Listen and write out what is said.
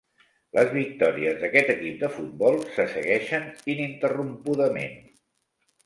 Les victòries d'aquest equip de futbol se segueixen ininterrompudament.